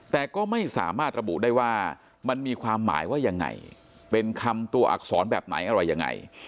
แต่ก็ไม่สามารถระบุได้ว่ามันมีความหมายว่ายังไงเป็นคำตัวอักษรแบบไหนอะไรยังไง